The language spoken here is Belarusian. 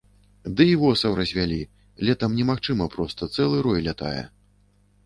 Ды і восаў развялі, летам немагчыма проста, цэлы рой лятае.